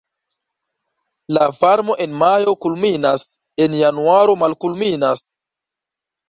La varmo en majo kulminas, en januaro malkulminas.